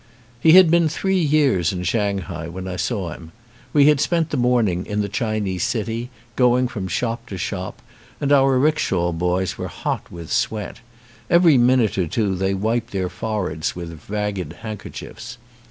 He had been three years in Shanghai when I saw him. We had spent the morning in the Chi nese city, going from shop to shop and our rick shaw boys were hot with sweat; every minute or two they wiped their foreheads with ragged hand kerchiefs.